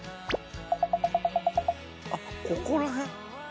あっここら辺？